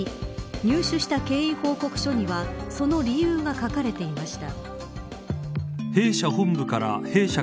入手した経緯報告書にはその理由が書かれていました。